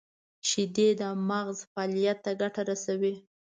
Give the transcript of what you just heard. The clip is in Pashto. • شیدې د مغز فعالیت ته ګټه رسوي.